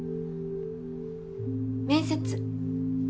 面接。